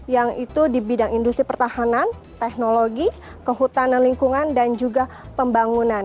yang itu di bidang industri pertahanan teknologi kehutanan lingkungan dan juga pembangunan